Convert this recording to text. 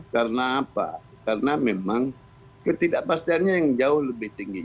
karena apa karena memang ketidakpastiannya yang jauh lebih tinggi